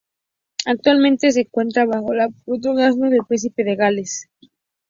Actualmente se encuentra bajo el patronazgo del Príncipe de Gales.